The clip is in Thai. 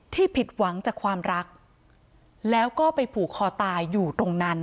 ผิดหวังจากความรักแล้วก็ไปผูกคอตายอยู่ตรงนั้น